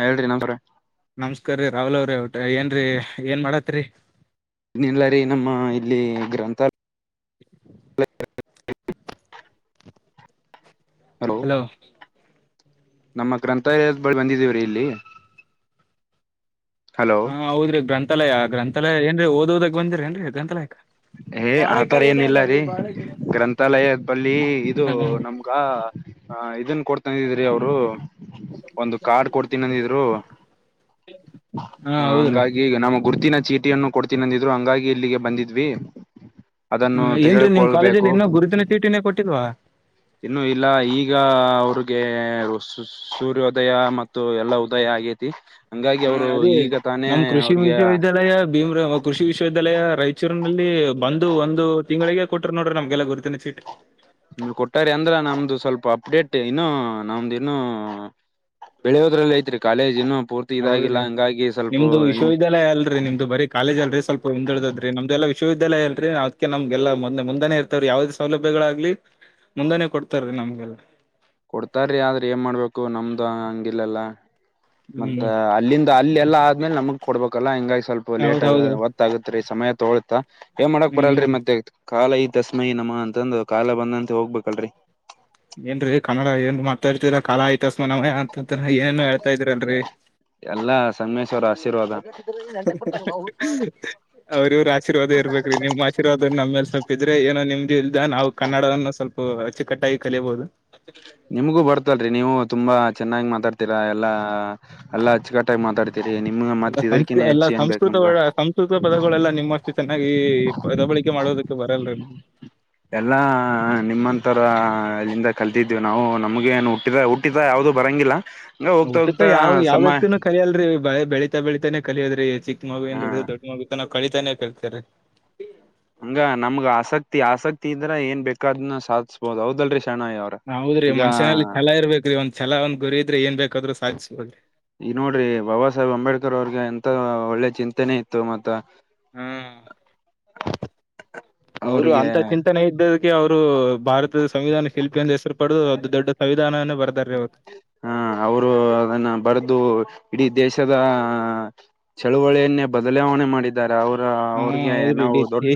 ಹೇಳ್ರಿ ನಮ್ ಸರ ನಮಸ್ಕಾರ್ರೀ ರಾಹುಲ್ ಅವ್ರೆ ಏನ್ರೀ ಏನ್ ಮಾಡತ್ರಿ ಇಲ್ಲ ರೀ ನಮ್ಮ ಇಲ್ಲಿ ಗ್ರಂಥ ಹ ಹಲೋ ನಮ್ಮ ಗ್ರಂಥಾಲಯದ ಬಳಿ ಬಂದಿದೀವ್ರೀ ಇಲ್ಲಿ ಹಲೋ ಹಾ ಹೌದ್ರಿ ಗ್ರಂಥಾಲಯ ಗ್ರಂಥಾಲಯ ಏನ್ರಿ ಓದೋದಾಗ್ ಬಂದಿದಿರೆನ್ರಿ ಗ್ರಂಥಾಲಯಕ್ಕ ಏ ಆತರ ಬಾಳೆಕಾಯಿ ಏನ ಎಲೆ ಇಲ್ಲ ಅಲ್ಲ ರೀ ಬಾಳೆಗಿಡ ಗ್ರಂಥಾಲಯದ ಬಲ್ಲಿ ಇದು ಹ ನಮ್ ಗ ಅ ಇದನ್ ಕೊಡ್ತಾನಿ ಅಂದಿದ್ರಿ ಅವರು ಒಂದು ಕಾರ್ಡ್ ಕೊಡ್ತೀನಂದಿದ್ರು ಹಾ ಹೌದ್ರಿ ಹಂಗಾಗಿ ನಮ್ಮ ಗುರುತಿನ ಚೀಟಿಯನ್ನು ಕೊಡ್ತಿನಂದಿದ್ರು ಹಂಗಾಗಿ ಇಲ್ಲಿಗೆ ಬಂದಿದ್ವಿ ಅ ಅದನ್ನು ಏನ್ರಿ ನಿಮ್ ತೆಗೆದುಕೊಳ್ಬೇಕು ಕಾಲೆಜಲ್ಲಿ ಇನ್ನ ಗುರುತಿನ ಚೀಟಿನೆ ಕೊಟ್ಟಿಲ್ವ ಇನ್ನು ಇಲ್ಲ ಈಗ ಅವ್ರಿಗೆ ಹೊಸ್ಸಸ್ ಸೂರ್ಯೋದಯ ಮತ್ತು ಎಲ್ಲ ಉದಯ ಅಗೇತಿ ಹಾ ಅದೇ ನಮ್ ಕೃಷಿ ವಿಶ್ವವಿದ್ಯಾಲಯ ಭೀಮ್ರ ಕೃಷಿ ವಿಶ್ವವಿದ್ಯಾಲಯ ರಾಯಚೂರ್ ನಲ್ಲಿ ಬಂದು ಒಂದು ತಿಂಗಳಿಗೆ ಕೊಟ್ರು ನೋಡ್ರಿ ನಮ್ಗೆಲ್ಲ ಗುರುತಿನ ಚೀಟಿ ನಿಮಿಗ್ ಕೊಟ್ಟಾರೆ ಅಂದ್ರ ನಮ್ದು ಸ್ವಲ್ಪ ಅಪ್ಡೇಟ್ ಇನ್ನು ನಮ್ದ ಇನ್ನು ಬೆಳೆಯೋದ್ರಲ್ ಐತ್ರಿ ಕಾಲೇಜ್ ಇನ್ನು ಪೂರ್ತಿ ಇದಾಗಿಲ್ಲ ಹೌದ್ರಿ ಹಂಗಾಗಿ ಸ್ವಲ್ಪ ನಿಮ್ದು ಇನ್ ವಿಶ್ವವಿದ್ಯಾಲಯ ಅಲ್ರಿ ನಿಮ್ದು ಬರಿ ಕಾಲೇಜ್ ಅಲ್ರಿ ಸ್ವಲ್ಪ ಹಿಂದೆ ಉಳಿದೆತ್ರಿ ನಮ್ದು ಎಲ್ಲಾ ವಿಶ್ವವಿದ್ಯಾಲಯ ಅಲ್ರಿ ಅದ್ಕೆ ನಮಗೆಲ್ಲ ಮೊನ್ನೆ ಮುಂದೆನೆ ಇರ್ತವ್ರಿ ಯಾವದೇ ಸೌಲಭ್ಯಗಳಾಗ್ಲಿ ಮುಂದೆನೆ ಕೊಡ್ತಾರೀ ನಮ್ಗೆಲ್ಲ ಕೊಡ್ತಾರೀ ಆದ್ರ ಏನ್ ಮಾಡಬೇಕು ನಮ್ಮದು ಹಂಗಿಲ್ಲಲ್ಲ ಮತ್ತ ಹ್ಮ್ ಅಲ್ಲಿಂದ ಅಲ್ಲಿ ಎಲ್ಲಾ ಅದ್ಮೇಲೆ ನಮಗ್ ಕೊಡ್ಬೇಕಲ್ಲ ಹಂಗಾಗಿ ಸ್ವಲ್ಪ ಲೇಟಗ ಹೌದೌದು ಅರ್ಥ ಅಗತ್ರಿ ಸಮಯ ತೊಗಳತಾ ಏನ್ ಮಾಡಕ್ ಬರಲ್ರಿ ಹ್ಮ್ ಮತ್ತೆ ಕಾಲಯ ತಸ್ಮೈ ನಮಃ ಅಂತಂದು ಕಾಲ ಬಂದಂತೆ ಹೋಗ್ಬೇಕಲ್ರಿ ಏನ್ರಿ ಕನ್ನಡ ಏನ್ ಮಾತಾಡ್ತೀರಾ ಕಾಲಾಯ ತಸ್ಮೈ ನಮಃ ಅಂತಾಂತಿರ ಏನೆನೂ ಹೇಳ್ತಾ ಇದೀರಲ್ರಿ ಎಲ್ಲಾ ಸಮ್ಮೇಶ್ ಅವರ ಆಶೀರ್ವಾದ ಅವ್ರ ಇವ್ರ ಆಶೀರ್ವಾದ ಇರ್ಬೇಕ್ರಿ ನಿಮ್ಮ ಅಶೀರ್ವಾದ ನಮ್ಮೇಲೆ ಸ್ವಲ್ಪ ಇದ್ರೆ ಏನೋ ನೆಮ್ಮದಿ ಇಂದ ನಾವು ಕನ್ನಡವನ್ನು ಸ್ವಲ್ಪ ಅಚ್ಚುಕ್ಕಟ್ಟಾಗಿ ಕಲಿಯಬಹುದು ನಿಮಗೂ ಬರ್ತಲ್ರಿ ನೀವು ತುಂಬಾ ಚೆನ್ನಾಗಿ ಮಾತಾಡ್ತೀರಾ ಎಲ್ಲಾ ಎಲ್ಲಾ ಹಚ್ಚುಗಟಾಗಿ ಮಾತಾಡಿ ಎಲ್ಲಾ ಸಂಸ್ಕೃತ ಎಲ್ಲ ಸಂಸ್ಕೃತ ನಮ್ಗ ಉಳ್ಳ ಸಂಸ್ಕೃತ ಪದಗಳೆಲ್ಲ ನಿಮ್ಮಷ್ಟು ಚೆನ್ನಾಗಿ ಪದ ಬಳಕೆ [unintelligible] ಮಾಡೋದಕ್ಕೆ ಬರಲ್ಲರಿ ನೀ ಎಲ್ಲಾ ನಿಮ್ಮಂತರ ಇಲ್ಲಿಂದ ಕಲ್ತಿದ್ದೀವಿ ನಾವು ನಮ್ಗೆ ಏನು ಹುಟ್ಟಿದ ಹುಟ್ಟಿದಗ ಯಾವ್ದೂ ಬರಂಗಿಲ್ಲ. ಹಂಗ ಹೋಗ್ತಾ ಹುಟ್ಟುತಾ ಹೋಗ್ತಾ ಯಾವ ಯಾವ ಸಮಯ ವ್ಯಕ್ತಿನೂ ಕಲಿಯಲ್ರಿ ಬೆಳ ಬೆಳಿ- ಬೆಳಿತಾನೆ ಕಲಿಯೋದರಿ ಚಿಕ್ಕ ಹ ಮಗುವಿನಿಂದ ದೊಡ್ಡ ಮಗು ತನ ಕಲಿತಾನೆ -ಕಲಿತಾನೆ ಇರಬೇಕ್ರಿ ಹಂಗ ನಮ್ಗ್ ಆಸಕ್ತಿ ಆಸಕ್ತಿ ಇದ್ರ ಏನ್ ಬೇಕಾದ್ನ್ನ ಸಾಧಸ್ಬೋದು ಹೌದಲ್ರರಿ ಶಣಯವರೆ. ಯಾವ ಹೌದ್ರಿ ಮನ್ಷನಲ್ಲಿ ಛಲ ಇರ್ಬೇಕರೀ ಒಂದ ಛಲ, ಒಂದ್ ಗುರಿ ಇದ್ರೆ ಏನ್ ಬೇಕಾದ್ರು ಸಾಧ್ಬೋದ್ರಿ. ಈ ನೋಡ್ರಿ ಬಾಬಾ ಸಾಹೇಬ್ ಅಂಬೇಡ್ಕರ್ ಅವ್ರಿಗೆ ಎಂತ ಒಳ್ಳೆ ಚಿಂತನೆ ಇತ್ತು. ಮತ್ತ ಹಾ [inaudible] ಅವರು ಅವ್ರಿಗೆ ಅಂತ ಚಿಂತನೆ ಇದ್ದದಕೆ ಕ್ಕೆ ಅವರು' ಭಾರತದ ಸಂವಿಧಾನ ಶಿಲ್ಪಿ'ಯಂದ ಹೆಸರು ಪಡದು ಅದ ದೊಡ್ಡ ಸಂವಿಧಾನವನೇ ಬರ್ದಾರ ಅವತ್ತು. ಹ, ಅವರು ಅದನ್ನ ಬರೆದು ಇಡೀ ದೇಶದ ಚಳವಳಿಯನ್ನೇ ಬದಲಾವಣೆ ಮಾಡಿದ್ದಾರೆ ಅವ್ರ ಅವ್ರಿಗೆ ನಾವು ದೊಡ್ಡ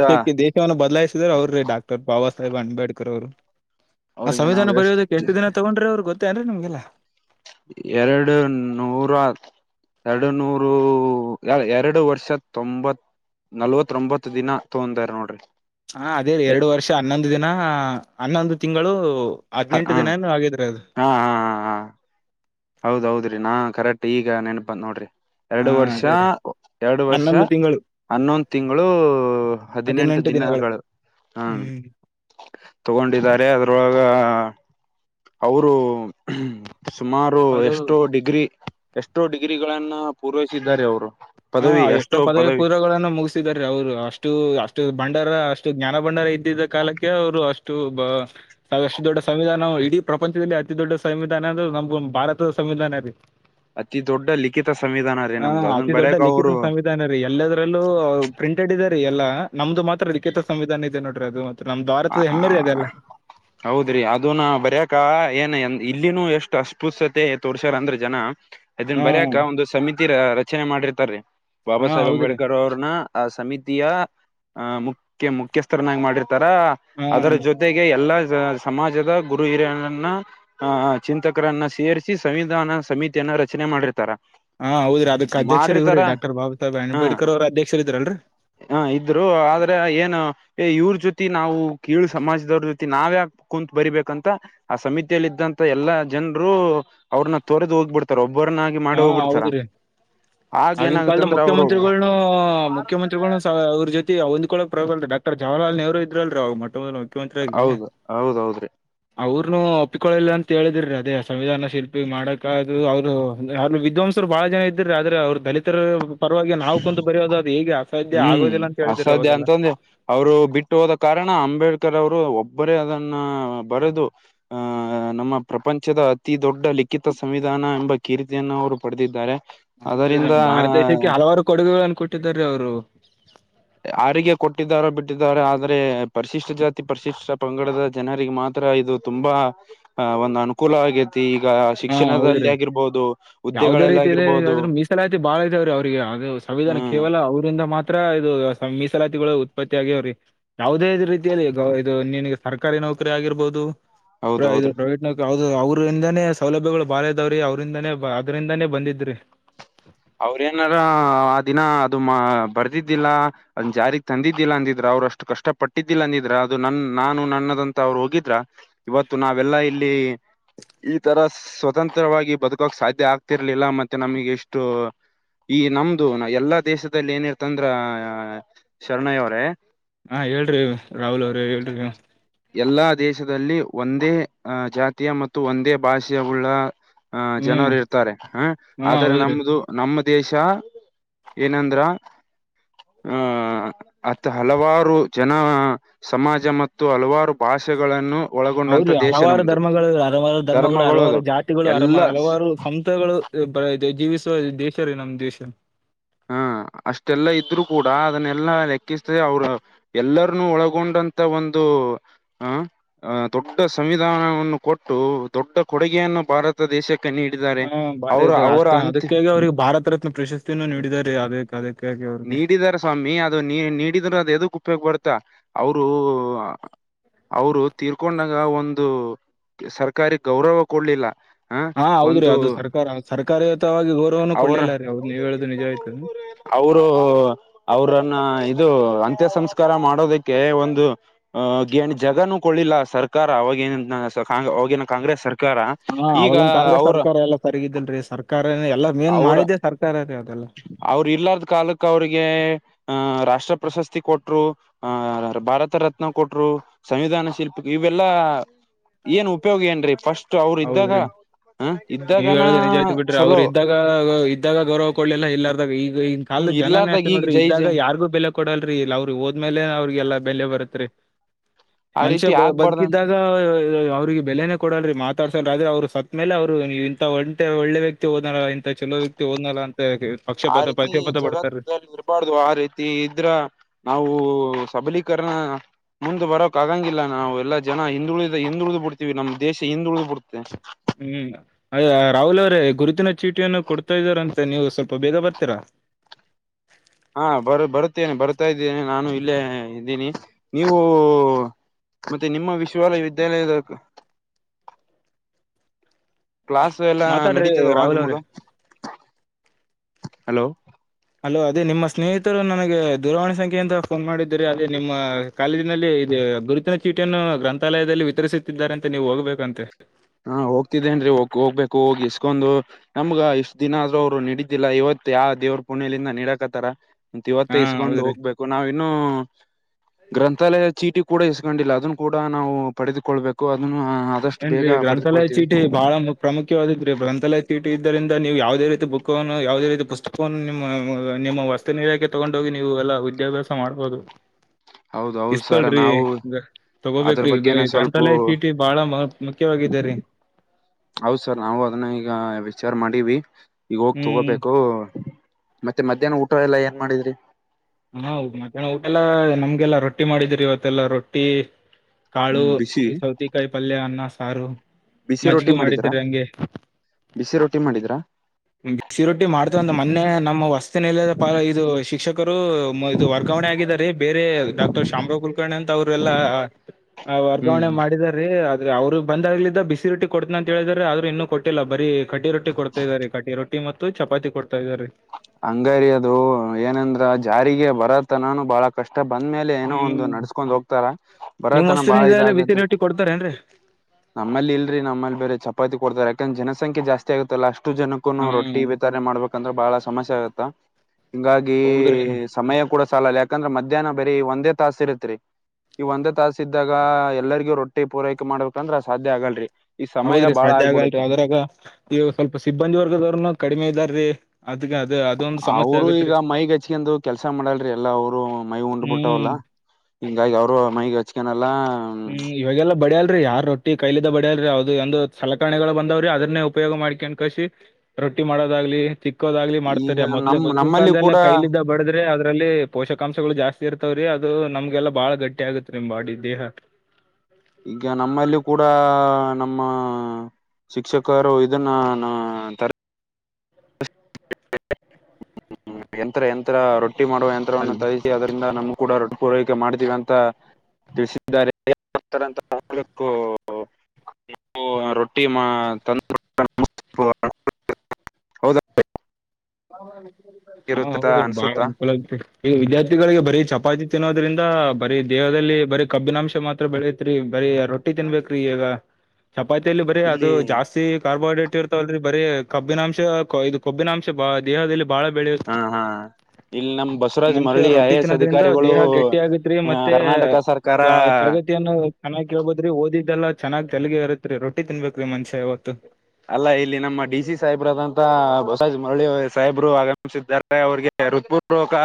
[unintelligible] ವನ್ನು ಬದಲಾಯಿಸಿದ್ರ ಅವ್ರೀ' ಡಾಕ್ಟರ್ ಬಾಬ ಸಾಹೇಬ್ ಅಂಬೇಡ್ಕರ್' ಅವರು. ಆ ಅವ್ರಿಗೆ ನಾವು ಸಂವಿಧಾನ ಎಷ್ಟ ಬರಿಯೋದಕ್ಕೆ ಎಷ್ಟು ದಿನ ತಗೊಂಡ್ರೆ ಅವ್ರ ಗೊತ್ತೇನ್ ನಿಮ್ಗೆಲ್ಲಾ ಎರಡು ನೂರ [unintelligible] ಎರಡು ನೂರು, ಎರಡು ವರ್ಷ ತೊಂಬತ್ ನಲ್ವತ್ರೊಂಬತ್ ದಿನ ತೊಗಂದಾರ ನೋಡ್ರಿ. ಹ ಅದೇ ರಿ ಎರಡು ವರ್ಷ ಹನ್ನೊಂದು ದಿನ, ಹನ್ನೊಂದು ತಿಂಗಳು- ಹ ಹದಿನೆಂಟು ಹ ದಿನಾಎನ ಆಗಿದ್ರಿಅದು. ಹಾ, ಹಾ ಹೌದೌದ್ರಿ ನಾ ಕರೆಕ್ಟ್ ಈಗ ನೆನಪುಬಂತ ನೋಡ್ರಿ ಹಾ ಎರಡು ವರ್ಷ ಅದೇ ರೀ -ಎರಡು ವರ್ಷ ಹನ್ನೊಂದು ತಿಂಗಳು ಹನ್ನೊಂದು ತಿಂಗಳು ಹದಿನೆಂಟು ದಿನಗಳು ಹ್ಮ. ಹ್ಮ್ ತಗೊಂಡಿದ್ದಾರೆ ಅದ್ರೊಳಗ- ಅವರು ಸುಮಾರು- ಅವರು ಎಷ್ಟೋ ಡಿಗ್ರಿ, ಎಷ್ಟೋ ಡಿಗ್ರಿ ಗಳನ್ನ ಪೂರೈಸಿದ್ದಾರೆ ಅವರು. ಹಾ, ಎಷ್ಟೋ ಪದವಿ ಪೂರ್ವಗಳನ್ನು ಮುಗ ಮುಗಿಸಿದ್ದಾರೆಅವ್ರು ಅಷ್ಟು, ಅಷ್ಟು ಭಂಡಾರ ಅಷ್ಟು ಜ್ಞಾನ ಭಂಡಾರ ಇದ್ದಿದ್ದಕ್ಕೆ ಅವ್ರು ಅಷ್ಟು ಬ ಸ ಅಷ್ಟ ದೊಡ್ಡ ಸಂವಿಧಾನ. ಇಡೀ ಪ್ರಪಂಚದಲ್ಲಿ ಅತಿ ದೊಡ್ಡ ಸಂವಿಧಾನ ಅಂದ್ರೆ ನಮ್ಗ ಭಾರತದ ಸಂವಿಧಾನ ರೀ. ಅತಿ ದೊಡ್ಡ ಲಿಖಿತ ಸಂವಿಧಾನ ರೀ ಹಾ ನಮ್ದು ಅತಿ ಅದನ್ ದೊಡ್ಡ ಬರಕ್ ಲಿಖಿತ ಅವ್ರು ಸಂವಿಧಾನ ರೀ ಎಲ್ಲದರಲ್ಲೂ ಪ್ರಿಂಟೆಡ್ ಇದೆ ರೀ ಎಲ್ಲಾ, ನಮ್ದು ಮಾತ್ರ ಲಿಖಿತ ಸಂವಿಧಾನ ಇದೆ ನೋಡ್ರಿ ಅದು. ನಮ್ ಹ ಭಾರತದ ಹ ಹೆಮ್ಮೆ ರೀ ಅದೆಲ್ಲ [inaudible] ಹೌದ್ರಿ ಅದನ್ನ ಬರ್ಯಕ ಏನ್ ಇಲ್ಲಿನೂ ಎಷ್ಟು ಅಸ್ಪುಷ್ಯತೆ ತೋರ್ಸ್ಯಾರ ಅಂದ್ರ ಜನ ಇದನ್ ಹಾ ಬರ್ಯಕ ಒಂದು ಸಮಿತಿ ರಚನೆ ಮಾಡಿರ್ತಾರೀ. ಬಾಬಾ ಹಾ ಸಾಹೇಬ್ ಹೌದ್ರಿ ಅಂಬೇಡ್ಕರ್ ಅವ್ರನ ಆ ಸಮಿತಿಯ ಆ ಮುಖ್ಯ ಮುಖ್ಯಸ್ಥರನ್ನಾಗಿ ಮಾಡಿರ್ತಾರ ಹಾ ಅದರ ಜೊತೆ ಜತೆೆಗೆ ಎಲ್ಲಾ ಸಮಾಜದ ಗುರು ಹಿರಿಯರನ್ನಾ ಹ ಚಿಂತಕರನ್ನ ಸೇರಿಸಿ ಸಂವಿಧಾನ ಸಮಿತಿಯನ್ನ ರಚನೆ ಮಾಡಿರ್ತಾರ. ಹಾ, ಹೌದ್ರಿ ಅದಕ್ ಅಧ್ಯಕ್ಷರ ಇವ್ರ ಮಾಡಿರ್ತಾರ ಡಾಕ್ಟರ್ ಬಾಬ ಸಾಹೇಬ್ ಹ ಅಂಬೇಡ್ಕರ್ ಅವ್ರ ಅಧ್ಯಕ್ಷರ ಇದ್ರಲ್ರಿ ಹ ಇದ್ರು ಆದ್ರೆ ಏನು ಏ ಇವ್ರ ಜೊತೆ ನಾವು ಕೀಳು ಸಮಾಜದವ್ರ ಜೊ ತೆನಾವ ಯಾಕ ಕುಂತ್ ಬರಿಬೇಕಂತ ಆ ಸಮಿತಿಯಲ್ಲಿ ಇದಿದ್ದಂತ ಎಲ್ಲಾ ಜನರು ಅವ್ರನ್ನ ತೋರೆದು ಹೋಗ್ಬಿಡ್ತಾರೆ. ಒಬ್ಬರನಾಗ ಮಾಡ ಹಾ ಹೋಗ್ಬಿಡ್ತಾರ ಹೌದ್ರಿ ಆಗ ಏನಾಗುತ್ತ ಅಂದ್ರೆ ಅವರು ಒಬ್ಬ ಮುಖ್ಯಂತ್ರಿಗಳುಸಹ ಅವ್ರ ಜೊತೆ ಒಂದ್ಕೊಳ ಪ್ರೋಗಲ್ [unintelligible] ಡಾಕ್ಟರ್ ಜವಾಹರಲಾಲನೆಹ್ರು ಇದ್ರಲ್ರಿ ಅವ ಮೊ ಮುಖ್ಯಮಂತ್ರಿಯಾಗಿ- ಹೌದು ಹೌದೌದ್ರಿ ಅವರುನು ಒಪ್ಪಿಕೊಳ್ಳಿಲ್ಲ ಅಂತ ಹೇಳಿದ್ ರೀ ಅದೇ ಸಂವಿಧಾನ ಶಿಲ್ಪಿ ಮಾಡಕ ಅದು ಅವರು ಅಂದ್ರೆ ವಿದ್ವಾಂಸರು ಬಹಳ ಜನ ಇದ್ದ್ರೂ ರೀ ಆದ್ರೆ ಅವರು ದಲಿತರ ಪರವಾಗಿ ನಾವು ಕುಂತು ಬರೆಯೋದು ಅದು ಹೇಗೆ ಆಗ್ತ್ ಹ್ಮ್ ಅಸಧ್ಯ ಅಂತಂದ್ರ ಅವರು ಬಿಟ್ಟು ಹೋದ ಕಾರಣ ಅಂಬೇಡ್ಕರ್ ಅವರು ಒಬ್ಬರೇ ಅದನ್ನ ಬರೆದು ಆಹ ನಮ್ಮ ಪ್ರಪಂಚದ ಅತಿ ದೊಡ್ಡ ಲಿಖಿತ ಸಂವಿಧಾನ ಎಂಬ ಕೀರ್ತಿಯನ್ನು ಅವರು ಪಡೆದಿದ್ದಾರೆ. ಹೌದ್ರೀ ಅದರಿಂದ ನಮ್ ಭಾರತ ದೇಶಕ್ಕೆ ಹಲವಾರು ಕೊಡುಗೆಗಳನ್ನು ಕೊಟ್ಟಿದಾರೀ ಅವರು. ಯಾರಿಗೆ ಕೊಟ್ಟಿದ್ದಾರೋ ಬಿಟ್ಟಿದ್ದಾರೆ ಆದ್ರೆ ಪರಿಶಿಷ್ಟ ಜಾತಿ ಪರಿಶಿಷ್ಟ ಪಂಗಡದ ಜನರಿಗೆ ಮಾತ್ರ ಇದು ತುಂಬಾ ಅ ಒಂದ್ ಅನುಕೂಲ ಆಗೈತ್ ಹಾ ಹೌದ್ರಿ ಯಾವುದೇ ಹುದ್ದೆಗಳೆಲ್ಲ ರೀತಿಯಲ್ಲಿ ಆಗಿರ್ಬೋದು ಅದ್ರೂ ಮೀಸಲಾತಿ ಬಾಳ ಇದಾವ್ರೀ ಅವ್ರಿಗೆ ಯಾವುದೇ ಸಂವಿಧಾನ ಹ್ಮ್ ಕೇವಲ ಅವರಿಂದ ಮಾತ್ರ ಇದು ಮೀಸಲಾತಿಗಳು ಉತ್ಪತ್ತಿ ಆಗ್ಯವ್ರೀ ಯಾವುದೇ ರೀತಿಯಲ್ಲಿ ಈಗ ಇದು ನಿನಗ ಸರ್ಕಾರಿ ನೌಕರಿ ಆಗಿರ್ಬಹುದು. ಹೌದ್ ಇದು ಹೌದ್ರಿ ಪ್ರಾವೇಟ್ನಲ್ಲಿ ಅವರು ಇಂದಾನೆ ಸೌಲಭ್ಯಗಳು ಬಾಳ ಇದಾವ್ರೀ ಅವ್ರಂದಾನೇ ಅದರಿಂದಾನೇ ಬಂದಿದ್ ರೀ ಅವ್ರೇನಾರ ಆ ದಿನ ಅದು ಮಾ ಬರ್ದಿದ್ದಿಲ್ಲ. ಅಂದ್ ಜಾರಿಗೆ ತಂದಿದ್ದಿಲ್ಲ ಅಂದಿದ್ರೆ ಅವರು ಅಷ್ಟು ಕಷ್ಟ ಪಟ್ಟಿದ್ದಿಲ್ಲ ಅಂದಿದ್ರೆ ಅದು ನನ್ ನಾನು ನನ್ನದಂತ ಅವರು ಹೋಗಿದ್ರೆ ಇವತ್ತು ನಾವೆಲ್ಲಾ ಇಲ್ಲಿ ಈ ತರ ಸ್ವತಂತ್ರವಾಗಿ ಬದುಕೋಕ್ ಸಾಧ್ಯ ಆಗ್ತಿರ್ಲಿಲ್ಲ ಮತ್ತೆ ನಮಗೆ ಎಷ್ಟ್ ಷ್ಟು ಈ ನಮ್ದು ಎಲ್ಲಾ ದೇಶದಲ್ಲಿ ಏನಿರ್ತಂದ್ರೆ ಶರಣಯ್ಯ ಅವರೇ ಹಾ ಹೇಳ್ರಿ ರಾಹುಲ್ ಅವರೇ ಹೇಳ್ರಿ ಎಲ್ಲಾ ದೇಶದಲ್ಲಿ ಒಂದೇ ಅ ಜಾತಿಯ ಮತ್ತು ಒಂದೇ ಭಾಷೆಯವುಳ್ಳ ಹ ಹ್ಮ್ ಜನರು ಇರ್ತಾರೆ ಹ ಹಾ ಆದರೆ ಹೌದ್ರಿ ನಮ್ದು ನಮ್ಮ ದೇಶ ಏನಂದ್ರೆ ಆ ಹತ್ತ್ ಹಲವಾರು ಜನ ಸಮಾಜ ಮತ್ತು ಮತ್ತು ಹಲವಾರು ಭಾಷೆಗಳನ್ನು ಒಳಗೊಂಡಂತ ಹೌದ್ರಿ ದೇಶ ಹಲವಾರು ನಮ್ದು ಧರ್ಮಗಳು ಹಲವಾರು ಧರ್ಮಗಳು ಹಲವಾರು ಜಾತಿಗಳು ಎಲ್ಲ ಹಲವಾರು ಸಂತಗಳು ಜೀವಿಸುವ ದೇಶ ರೀ ನಮ್ ದೇಶ. ಹಾ ಅಷ್ಟೆಲ್ಲಾ ಇದ್ರು ಕೂಡ ಅದನ್ನೆಲ್ಲಾ ಲೆಕ್ಕಿಸದೆ ಅವರು ಎಲ್ಲರನೂ ಒಳಗೊಂಡಂತ ಒಂದು ಹ ಅಹ ದೊಡ್ಡ ಸಂವಿಧಾನವನ್ನು ಕೊಟ್ಟು ದೊಡ್ಡ ಕೊಡುಗೆಯನ್ನು ಭಾರತ ದೇಶಕ್ಕೆ ನೀಡ್ ಹಾ ಬರೀ ಇದ್ದಾರೆ ಅಷ್ಟೇ ಅದಕ್ಕಾಗಿ ಅವರಿಗೆ ಭಾರತ ರತ್ನ ಪ್ರಶಸ್ತಿನೂ ನೀಡಿದಿದ್ದಾರೆ ಅದಕ್ ಅದೇ ನೀಡಿದ್ದಾರೆ ಸ್ವಾಮಿ ಅದು ನೀ ನೀಡಿದ್ದರು ಅದು ಎದಕ್ ಉಪಯೋಗ ಬರ್ತಾ ಅವರು ಅವರು ತೀರ್ಕೊಂಡಾಗ ಒಂದು ಸರ್ಕಾರಿ ಗೌರವ ಕೊಡ್ಲಿಲ್ಲ. ಹ ಹಾ ಹೌದ್ರೀ ಒಂದು ಅದು ಸರ್ಕಾರ ಸರ್ಕಾರಿಯುತವಾಗಿ ಗೌರವ ಅವರ ಕೊಡ್ಲಿಲ್ಲ ರೀ ಹೌದ್ ನೀವ್ ಹೇಳುದು ನಿಜಾಯ್ತೆ. ಅವರು ಅವರನ್ನ ಇದು ಅಂತ್ಯ ಸಂಸ್ಕಾರ ಮಾಡೋದಕ್ಕೆ ಒಂದು ಅ ಗೆಣು ಜಗನೂ ಕೊಡ್ಡಿಲ್ಲ ಸರ್ಕಾರ ಅವಾಗೇನು ಅವಾಗಿನ ಕಾಂಗ್ರೆಸ್ ಸರ್ಕಾರ ಹಾ ಈಗ ಅವಾಗನ್ ಕಾಂಗ್ರೆಸ್ ಅವ್ರ ಸರ್ಕಾರ ಎಲ್ಲಾ ಸರಿಗಿದಲ್ರರೀ ಸರ್ಕಾರ ಏ ಎಲ್ಲ ಮೇನ್ ಮಾಡಿದ್ದೆ ಸರ್ಕಾರ ರೀ ಅದೆಲ್ಲ. ಅವರು ಇರಲ್ಲದ ಕಾಲಕ್ಕ ಅವರಿಗೆ ಅಹ ರಾಷ್ಟ್ರಪ್ರಶಸ್ತಿ ಕೊಟ್ರು ಆಹ ಭಾರತ ರತ್ನ ಕೊಟ್ರು. ಸಂವಿಧಾನ ಶಿಲ್ಪ ಇವೆಲ್ಲ ಏನ್ ಉಪಯೋಗ ಏನ್ರಿ ಫಸ್ಟ್ ಅಷ್ಟ ಅವರು ಇದ್ದಾಗ ಹೌದ್ರಿ ಹ ನೀವ್ ಇದ್ದಾಗನ ಹೇಳುದು ನಿಜ ಆಯ್ತು ಬಿಡ್ರಿ ಅವ್ರು ಚಲೋ ಇದ್ದಾಗ ಇದ್ದಾಗ ಗೌರವ ಕೊಡ್ಲಿಲ್ಲ ಎಲ್ಲಾರ್ದಾಗ ಈಗನ್ ಹ್ಮ್ ಕಾಲದ ಜನನೇ ಇರ್ಲಾರ್ದಾಗ ಅಷ್ಟೇ ಈಗ ನೋಡ್ರಿ ಜೈ ಇದ್ದಾಗ ಜೈ ಯಾರಿಗೂ ಬೆಲೆ ಕೊಡಲ್ಲ ರೀ ಇಲ್ಲ ಅವರು ಹೋದ್ಮೇಲೆ ಅವರಿಗೆಲ್ಲ ಬೆಲೆ ಬರುತ್ತೆ ರೀ ಆ ಮನುಷ್ಯ ರೀತಿ ಬ ಆಗ್ಬಾರ್ದನ್ ಬದುಕಿದಾಗ ಅವರಿಗೆ ಬೆಲೆನೆೇ ಕೊಡಲ್ಲ ರೀ ಮಾತ್ ತಡಸಲ್ಲ ಆದ್ರೆ ಅವರು ಸತ್ ಮೇಲೆ ಅವರು ಇಂತ ಒಂಟೆ ಒಳ್ಳೆ ವ್ಯಕ್ತಿ ಹೋದ್ನಲ್ಲ ಇಂತಥ ಚಲೋ ವ್ಯಕ್ತಿ ಓದ್ನಲ್ಲ ಅಂತ ಪಕ್ಷಪತಿ ಪದ ಬಗ್ಗೆ ಬಿಡ್ತಾರಿ. ಬಾರ್ದು ಆ ರೀತಿ ಇದ್ರ ನಾವು ಸಬಲೀಕರಣ. ಮುಂದ್ ಬರೋಕ್ ಆಗಂಗಿಲ್ಲ ನಾವು ಎಲ್ಲಾ ಜನ ಹಿಂದುಳಿದ ಹಿಂದುಳಿದ್ ಬಿಡ್ತಿವಿ ನಮ್ ದೇಶ ಹಿಂದುಳಿದು ಬಿಡುತ್ತೆ. ಹ್ಮ್ ಅದೇ ರಾಹುಲ್ ಅವ್ರೇ ಗುರುತಿನ ಚೀಟಿಯನ್ನು ಕೊಡ್ತಾ ಇದ್ದಾರಂತೆ ನೀವು ಸ್ವಲ್ಪ ಬೇಗ ಬರ್ತೀರಾ. ಹಾ ಬರ್ ಬರ್ತೇನೆ ಬರ್ತಾ ಇದ್ದೇನೆ ನಾನು ಇಲ್ಲೇ ಇದ್ದೀನಿ ನೀವು ಮತ್ತೆ ನಿಮ್ಮ ವಿಶ್ವಾಲಯಾ ವಿದ್ಯಾಲಯದ. [unintelligible] ಕ್ಲಾಸ್ ಎಲ್ಲ ಮಾತಾಡ್ರಿ ನೆಡಿತದವಾ ರಾಹುಲ್ ನಿಮ್ಗ ಅವ್ರೆ ಹಲೋ. ಹಲೋ ಅದೇ ನಿಮ್ಮ ಸ್ನೇಹಿತರು ನನಗೆ ದೂರವಾಣಿ ಸಂಖ್ಯೆಯಿಂದ ಫೋನ್ ಮಾಡಿದ್ದ್ರ ಅದೇ ನಿಮ್ಮ. ಕಾಲೇಜಿನಲ್ಲಿ ಇ ಗುರುತಿನ ಚೀಟಿಯನ್ನು ಗ್ರಂಥಾಲಯದಲ್ಲಿ ವಿತರಿಸುತ್ತಿದ್ದಾರೆ ಅಂತ ನೀವು ಹೋಗ್ಬೇಕಂತೆ. ಹಾ ಹೋಗ್ತಿದ್ದೇನ್ರೀ ಹೋಗ್ಬೇಕು ಹೋಗಿ ಇಸ್ಕೊಂಡು. ನಮ್ಗ ಇಷ್ಟ್ ದಿನ ಆದ್ರೂ ಅವ್ರು ನಡಿದ್ದಿಲ್ಲ ಇವತ್ ಯಾವ ದೇವ್ರ ಪುಣ್ಯಲಿಂದ ನೀಡಕತಾರ. ಇವತ್ತೆ ಹಾ ಇಸ್ಕೊಂಡ್ ಹೌದ್ರಿ ಹೋಗ್ಬೇಕು ನಾವಿನ್ನೂ. ಗ್ರಂಥಾಲಯ ಚೀಟೀ ಕೂಡಾಈಸ್ಕೊಡಿಲ್ಲ ಅದನ್ನು ಕೂಡ ನಾವು ಪಡೆದುಕೊಳ್ಬೇಕು ಅದನ್ನ್ನ್ ಆದಷ್ಟು ಏನ್ರೀ ಬೇಗ. ಗ್ರಂಥಾಲಯ ಪಡೆದುಕೊಳ್ತೀವಿ ಚೀಟಿ. ಬಹಳ ಪ್ರಮುಖ್ಯವಾದುರಿ ಗ್ರಂಥಾಲಯ ಚೀಟಿ ಇದ್ದರಿಂದ ನೀವು ಯಾವವುದೇ ರೀತಿ ಬುಕ್ನ್ನು ಯಾವದೇ ರೀತಿ ಪುಸ್ತಕ [unintelligible] ನಿಮ್ಮ ವಸ್ತು ಏನಿಕ್ಕೆ ತಗೊಂಡೋಗಿ ನೀವು ಎಲ್ಲ ವಿದ್ಯಾಭ್ಯಾಸ ಮಾಡ್ಬೋದು. ಹೌದ ಹೌದು ಸರ್ ಈಸ್ಕೊಳ್ಳಿರಿ ನಾವು ಈವಾಗ ಅದ್ರ ಹೋಗಬೇಕ್ರಿ ಬಗ್ಗೆನ ಸ್ವಲ್ಪ ಗ್ರಂಥಾಲಯ ಚೀಟಿ. ಬಹಳ ಮುಖ್ಯವಾಗಿದ್ದೀರಿ. ಹೌದ ಸರ್ ನಾವು ಅದನ್ನ ಈಗ ವಿಚಾರ ಮಾಡೀವಿ. ಈಗ ಹೋಗ್ ಹ್ಮ್ ತಗೋಬೇಕು ಮತ್ತೆ ಮಧ್ಯಾಹ್ನ ಊಟ ಎಲ್ಲಾ ಏನ್ ಮಾಡಿದ್ರೀ. ಮದ್ಯಾಹ್ನ ಊಟಯೆಲ್ಲಾ ನಂಮ್ಗೆಲ್ಲಾ ರೊಟ್ಟಿ ಮಾಡಿದ್ರಿ ಇವತ್ತೆಲ್ಲಾ ರೊಟ್ಟಿ. ಕಾಳು ಹ್ಮ್ ಬಿಸಿ ಈ ಸೌತಿ ಕಾಯಿ ಪಲ್ಯ ಅನ್ನ ಸಾರು ಬಿಸಿ ರೊಟ್ಟಿ ಮಜ್ಜೆಗೆ ಮಾಡಿದ್ರಾ ಮಾಡಿದ್ರ ಹಂಗೆ. ಬಿಸಿ ರೊಟ್ಟಿ ಮಾಡಿದ್ರಾ. ಬಿಸಿ ರೊಟ್ಟಿ ಮಾಡಿದ್ರು ಮೊನ್ನೆ ನಮ್ಮ ವಾಸತಿನಿಲಯದ ಶಿಕ್ಷಕರೂ. ಇದು ವರ್ಗಾವಣೆ ಆಗಿದ್ದಾರೆ ಬೇರೆ ಡಾಕ್ಟರ್ ಶಾಮರಾವ್ ಕುಲಕರ್ಣಿ ಅಂತ ಅವರೆಲ್ಲಾ ಆ ಹ್ಮ್ ವರ್ಗಾವಣೆ ಮಾಡಿದಾರೆ. ರೀ ಆದ್ರೆ ಅವ್ರು ಬಂದಾಗಿಳಿಂದ ಬಿಸಿ ರೊಟ್ಟಿ ಕೊಡ್ತನ ಅಂತ ಹೇಳಿದ್ರ ಆದ್ರರು ಇನ್ನು ಕೊಟ್ಟಿಲ್ಲ ಬರೀ ಕಡ್ಡಿ ರೊಟ್ಟಿ ಕೊಡ್ತಾಯಿದ್ದಾರೆ. ಕಡ್ಡಿ ರೊಟ್ಟಿ ಮತ್ತು ಚಪಾತಿ ಕೊಡ್ತಾಯಿದ್ದಾರೆ. ಅಂಗಯದು ಏನಂದ್ರ ಜಾರಿಗೆ ಬರತ್ತನಾ ಬಾಳಕ್. ಕಷ್ಟ ಬಂದ್ಮೇಲೆ ಏನೋ ಒಂದು ಹ್ಮ್ ನಡ್ಸ್ಕೊಂಡ್ ಹೋಗ್ತಾರ ನಿಮ್ ಬರತನ ವಸತಿ ಬಾಳ ನಿಲಯದಲ್ಲಿ ಬಿಸಿ ಇದಾಗತ್ತೆ. ರೊಟ್ಟಿ ಕೊಡ್ತಾರೇನ್ರಿ ನಮ್ಮಲ್ಲಿ ಇಲ್ರಿ ನಮ್ಮಲ್ಲಿ ಬೇರೆ ಚಪಾತಿ ಕೊಡ್ತಾರೆ ಯಾಕಂದ್ರೆ ಜನಸಂಖೆ ಜಾಸ್ತಿ ಆಗುತ್ತತ್ತಲ್ಲ ಅಷ್ಟು ಜನು. ಕ್ಕನು ರೊಟ್ಟಿ ಹ್ಮ್ ವಿತರಣೆ ಮಾಡ್ಬೇಕಂದ್ರೆ ಬಹಳ ಸಮಸ್ಯೆ ಆಗತ್ತ ಹಿಂಗಾಗೀ ಹೌದ್ರಿ ಸಮಯ ಕೂಡ ಸಾಲ ಅಲ್ಲ ಯಾಕಂದ್ರೆ ಮಧ್ಯಾಹ್ನ ಬರೀ ಒಂದೇ ತಾಸ ಇರತ್ರಿ. ಈ ಒಂದೇ ತಾಸ ಇದ್ದಾಗ ಎಲ್ಲರಿಗೂ ರೊಟ್ಟಿ ಪೂರೈಕೆ ಮಾಡ್ಬೇಕಂದ್ರ ಸಾಧ್ಯ ಆಗಲ್ರರಿ. ಹೌದ್ರಿ ಸಾಧ್ಯ ಆಗಲ್ರರಿ ಅದ್ರಾಗ ಈವ ಸ್ವಲ್ಪ ಸಿಬ್ಬಂದಿ ವರ್ಗದವರುನು ಕಡಿಮೆ ಇದ್ದಾರ್ರೀ. ಅದಕ್ ಅದು. ಅವರು ಈಗ ಮೈಗೆಚ್ಕಂದು ಕೆಲ್ಸ ಮಾಡಲ್ರಿ ಎಲ್ಲಾ ಅವರು ಮೈ ಉಂಡ್ಬ ಬಿಟ್ಟವಲ್ಲ. ಹ್ಮ್ ಹಿಂಗಾಗಿ ಅವರು ಮೈಗಹಚಗನಲ್ಲಾ ಹ್ಮ್ ಇವಾಗಲ್ಲ ಬಡ್ಯಲ್ರಿ ಯಾರ್ ರೊಟ್ಟಿ ಕೈಳಿಂದ ಬಡ್ಯಲ್ರಿ. ಒಂದ ಸಲಕಾಣೆಗಳು ಬಂದಾವ್ರಿ ಅದನ್ನೇ ಉಪಯೋಗ ಮಾಡಕಕೊಂಡ ಕಸಿ ರೊಟ್ಟಿ ಮಾಡೋದಾಗ್ಲಿ ಚಿಕ್. [unintelligible] ಈಗ ಮಾಡ್ತಾರೆ ಮೊದ್ಲು ನಮ್ ನಮ್ಮಲ್ಲಿ ಕಾಲದಲ್ಲಿ ಯೆಲ್ಲಾ ಕೂಡ ಕೈಯಲ್ಲಿ ಬಡಿದು. ಅದ್ರಲ್ಲಿ ಪೋಷಕಾಂಶಗಳು ಜಾಸ್ತಿ ಇರ್ತವ್ರೀ ಅದು ನಮ್ಗೆಲ್ಲ ಬಾಳ ಗಟ್ಟಿ ಆಗತ್ರಿ ನಿಮ್ ಬಾಡಿ ದೇಹ. ಈಗ ನಮ್ಮಲ್ಲಿ ಕೂಡ ನಮ್ಹಾ. ಶಿಕ್ಷಕರು ಇದನ್ನಾ ನಂತರ. ಯಂತ್ರ ಯಂತ್ರ ರೊಟ್ಟಿ ಮಾಡುವ ಯಂತ್ರವನ್ನು ಅಲ್ ತರಿಸಿ. ಅದ್ರಿಂದ ನಮ್ ಕೂಡ ರೊಟ್ಟ ಪೂರೈಕೆ ಮಾಡ್ತಿವಿ ಅಂತ [unintelligible] [inaudible] ಹೌದ ಹಾ ಇರುತ್ತ ಹೌದೀ ರೀ ಬಾಳ ಅನ್ಸುತ್ತಾ ಅನುಕೂಲ ಆಗ್ತ್ರಿ [inaudible] ಈಗ ವಿದ್ಯಾರ್ಥಿಗಳಿಗೆ ಬರೀ ಚಪಾತಿ ತಿನ್ನೋದ್ರಿಂದ ಬರೀ ದೇಹದಲ್ಲಿ ಬರೀ ಕಬ್ಬಿನಾಂಶ ಮಾತ್ರ ಬೆಳೆಯತ್ರಿ ಬರೀ ರೊಟ್ಟಿ ತಿನ್ಬೇಕ್ರಿ ಈಗ. ಚಪಾತಿಯಲ್ಲಿ ಬರೀ ಅದು ಇಲ್ಲಿ ಜಾಸ್ತಿ ಕಾರ್ಬೋಹೈಡ್ರೇಟ್ ಇರ್ತವಲ್ರಿ. ಬರೀ ಕಬ್ಬಿನಾಂಶ ಇದು ಕೊಬ್ಬಿನಾಂ ದೇಹದಲ್ಲಿ ಬಾಳ ಬೆಳೆಯೋದು ಹಾ ಹಾ ಇಲ್ಲಿ ನಮ್ ಬಸವರಾಜ್ ಮನುಷ್ಯ ಮರಳಿ ಐ ರೊಟ್ಟಿ ಎ ಎಸ್ ತಿನ್ನೋದ್ರಿಂದ ಅಧಿಕಾರಿಗಳು ದೇಹ ಗಟ್ಟಿ ಆಗತ್ರಿ. ಹ ಮತ್ತೆ ಕರ್ನಾಟಕ ಸರ್ಕಾರ ತರಗತಿ ರೊಟ್ಟಿಯನ್ನು ಚೆನ್ನಾಗಿ ಕೇಳ್ಬೋದ್ರಿ ಓದಿದ್ದೆಲ್ಲ ಚನ್ನಾಗ್ ತಲಗೆ ಏರುತ್ತೆರೀ. ರೊಟ್ಟಿ ತಿನ್ಬಬೇಕು ರೀ ಮನುಷ್ಯ ಯಾವತ್ತಿದ್ರು. ಅಲ್ಲಾ ಇಲ್ಲಿ ನಮ್ಮ ಡಿ. ಸಿ. ಸಾಹೇಬ್ರಾದಂತ ಬಸವಾಜ್ ಮುರಳಿ ಸಾಹೇಬರು ಆಗಮಿಸಿದ್ದಾರೆ. ಅ ಅವ್ರಿಗೆ ಋತೂಪೂರ್ವಕಾ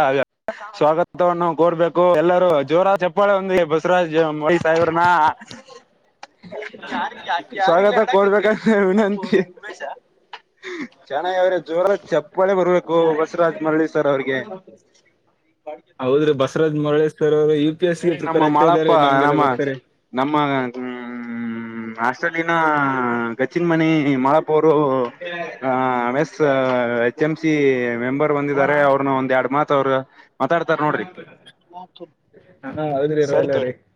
ಸ್ವಾಗತವನ್ನ ಕೊರ್ಬೇಕು ಎಲ್ಲರೂ ಜೋರಾದ ಚಪ್ಪಾಳೆ ಒಂದಿಗೆ ಬಸವರಾಜ್ ಮೌಳಿ ಸಾಹೇಬರನಾ [inaudible] ಸ್ವಾಗತ ಕೋರಿ ಬೇಕಾಗಿ ವಿನಂತಿ [unintelligible] ಚೆನ್ನಾಗಿ ಹೇಳಿದ್ರಿ ಜೋರಾಗಿಚಪ್ಪಳೆ ಬರ್ಬೇಕು ಬಸರಾಜ್ ಮರಳಿ ಸರ್ ಅವ್ರಿಗೆ. ಹ [inaudible] ಹೌದ್ರಿ, ಬಸವರಾಜ್ ಮುರ ಸರ್ ಅವರು ಯು ಪಿ ಎಸ್ ಸಿ ಗೆ ಪ್ರಿಪೇರ್ ನಮ್ಮ ಆಗ್ತ ಮಾಳಪ್ಪ ಇದ್ದಾರೆ ನಮ್ಗೆಲ್ಲ ಗೊತ್ತಾರೆ. ನಮ್ಮ ಹ್ಮ [unintelligible] ಹ್ಮ, ನಮ್ಮ ಹಾಸ್ಟೆಲ್ಲಿನಗಚ್ಚಿನ್ ಮನಿ Malapur. H M C member ಬಂದಿದ್ದಾರೆ. ಅವ್ರನು ಒಂದ್ ಎರಡ್ ಮಾತ್ ಅವರು- ಮಾತಾಡ್ತಾರ ನೋಡ್ರಿ ಹ ಹೌದ್ರಿ ರ ಸರಿ ತೋರಿ ಎಲ್ಲಾರೀ [unintelligible]